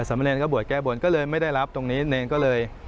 เนรก็บวชแก้บนก็เลยไม่ได้รับตรงนี้เนรก็เลย